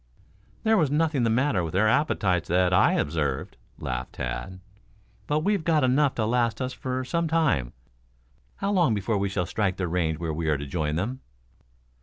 "There was nothing the matter with their appetites that I observed," laughed Tad. "But we've got enough to last us for some time. How long before we shall strike the range where we are to join them?"